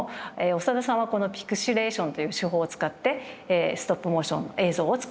長田さんはこのピクシレーションという手法を使ってストップモーション映像を作ってます。